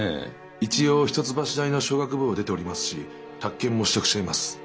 一応一橋大の商学部を出ておりますし宅建も取得しています。